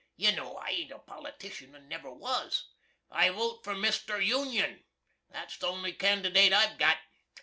You know I ain't a politician, and never was. I vote for Mr. Union that's the only candidate I've got.